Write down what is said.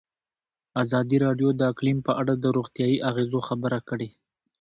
ازادي راډیو د اقلیم په اړه د روغتیایي اغېزو خبره کړې.